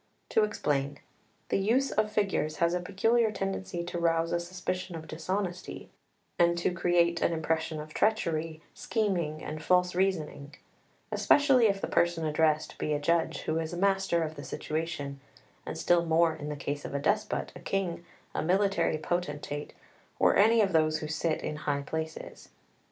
To explain: the use of figures has a peculiar tendency to rouse a suspicion of dishonesty, and to create an impression of treachery, scheming, and false reasoning; especially if the person addressed be a judge, who is master of the situation, and still more in the case of a despot, a king, a military potentate, or any of those who sit in high places.